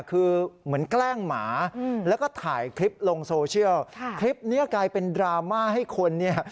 คือเหมือนแกล้งหมาแล้วก็ถ่ายคลิปลงโซเชียลคลิปนี้กลายเป็นดราม่าให้คนเนี่ย